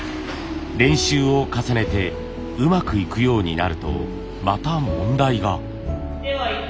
練習を重ねてうまくいくようになるとまた問題が。